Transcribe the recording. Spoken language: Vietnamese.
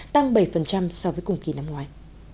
tăng bảy so với cùng kỳ năm ngoài